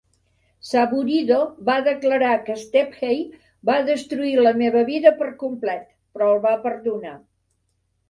Saburido va declarar que Stephey "va destruir la meva vida per complet", però el va perdonar.